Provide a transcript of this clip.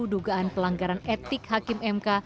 dugaan pelanggaran etik hakim mk